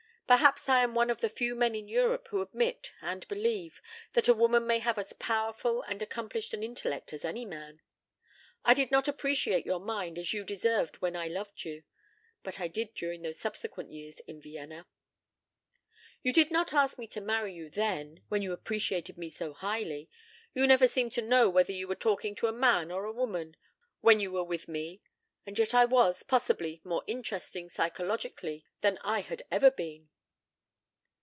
Perhaps I am one of the few men in Europe who admit and believe that a woman may have as powerful and accomplished an intellect as any man. I did not appreciate your mind as you deserved when I loved you, but I did during those subsequent years in Vienna." "You did not ask me to marry you then when you appreciated me so highly. You never seemed to know whether you were talking to a man or a woman when you were with me. And yet I was, possibly, more interesting psychologically than I had ever been."